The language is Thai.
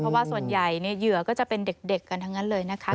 เพราะว่าส่วนใหญ่เหยื่อก็จะเป็นเด็กกันทั้งนั้นเลยนะคะ